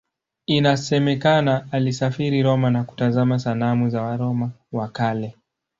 Inasemekana alisafiri Roma na kutazama sanamu za Waroma wa Kale.